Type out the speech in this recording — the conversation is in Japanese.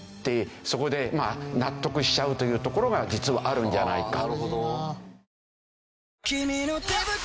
そこで納得しちゃうというところが実はあるんじゃないか。